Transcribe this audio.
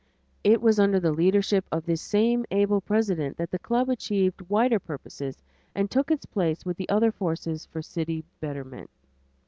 It was under the leadership of this same able president that the club achieved its wider purposes and took its place with the other forces for city betterment.